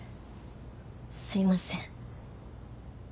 すいません。